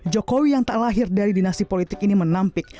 jokowi yang tak lahir dari dinasti politik ini menampik